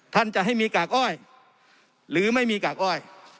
ท่านจะให้มีกากอ้อยหรือไม่มีกากอ้อย